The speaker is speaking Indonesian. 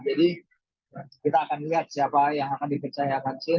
jadi kita akan lihat siapa yang akan dipercaya